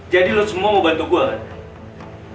jadi lo semua mau bantu gue kan